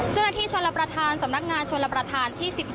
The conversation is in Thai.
เจ้าหน้าที่ชนรับประธานสำนักงานชนรับประทานที่๑๖